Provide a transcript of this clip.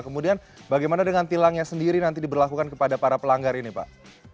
kemudian bagaimana dengan tilangnya sendiri nanti diberlakukan kepada para pelanggar ini pak